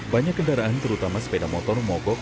banyak kendaraan terutama sepeda motor mogok